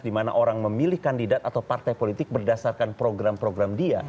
dimana orang memilih kandidat atau partai politik berdasarkan program program dia